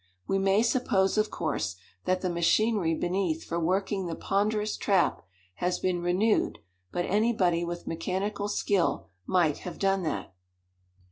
We may suppose, of course, that the machinery beneath for working the ponderous trap has been renewed. But anybody with mechanical skill might have done that."